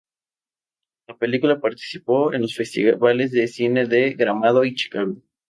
La película participó en los festivales de cine de Gramado y Chicago.